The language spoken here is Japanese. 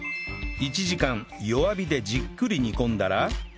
１時間弱火でじっくり煮込んだら